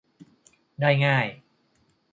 ได้ง่าย